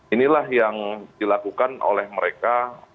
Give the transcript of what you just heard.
inilah yang dilakukan oleh mereka